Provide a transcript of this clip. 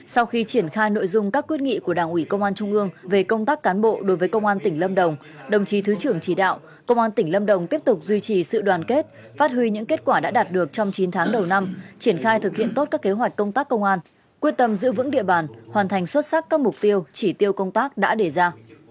sau khi triển khai nội dung các quyết nghị của đảng ủy công an trung ương về công tác cán bộ đối với công an tỉnh lâm đồng đồng chí thứ trưởng chỉ đạo công an tỉnh lâm đồng tiếp tục duy trì sự đoàn kết phát huy những kết quả đã đạt được trong chín tháng đầu năm triển khai thực hiện tốt các kế hoạch công tác công an quyết tâm giữ vững địa bàn hoàn thành xuất sắc các mục tiêu chỉ tiêu công tác đã đề ra